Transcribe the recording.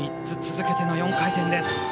３つ続けての４回転です。